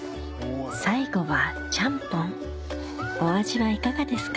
最後はちゃんぽんお味はいかがですか？